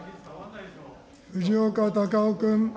藤岡隆雄君。